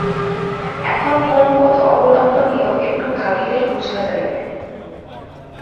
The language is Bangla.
এখন কোন পথ অবলম্বনীয়, একটু ভাবিলেই বুঝা যাইবে।